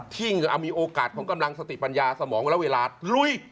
ยิ่งมีโอกาสของกำลังสติปัญญาสมองและเวลาลุย